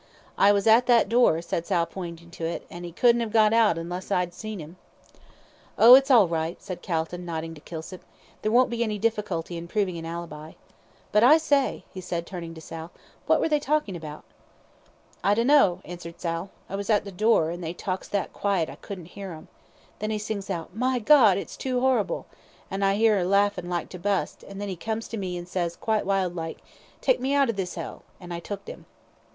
"I was at that door," said Sal, pointing to it, "an' 'e couldn't 'ave got out unless I'd seen 'im." "Oh, it's all right," said Calton, nodding to Kilsip, "there won't be any difficulty in proving an ALIBI. But I say," he added, turning to Sal, "what were they talking about?" "I dunno," answered Sal. "I was at the door, an' they talks that quiet I couldn't 'ear 'em. Then he sings out, 'My G , it's too horrible!' an' I 'ear 'er a larfin' like to bust, an' then 'e comes to me, and ses, quite wild like, 'Take me out of this 'ell!' an' I tooked 'im."